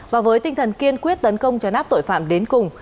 và với tinh thần kiên quyết tấn công cho nắp tội phạm đến cùng